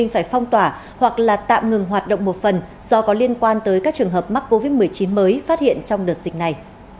phải phong tỏa hoặc tạm ngừng hoạt động một phần do có liên quan tới các trường hợp mắc covid một mươi chín mới phát hiện trong đợt dịch này